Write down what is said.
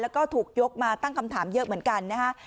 แล้วก็ถูกยกมาตั้งคำถามเยอะเหมือนกันนะฮะ